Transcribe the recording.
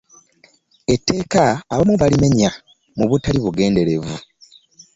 Etteeka abamu balimenya mu butali bugenderevu.